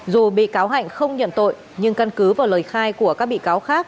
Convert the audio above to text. dù bị cáo hạnh không nhận tội nhưng căn cứ vào lời khai của các bị cáo khác